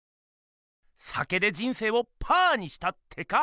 酒で人生をパーにしたってか？